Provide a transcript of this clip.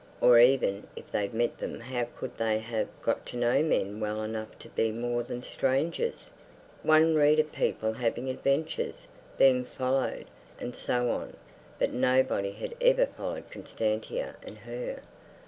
Or even if they'd met them, how could they have got to know men well enough to be more than strangers? One read of people having adventures, being followed, and so on. But nobody had ever followed Constantia and her.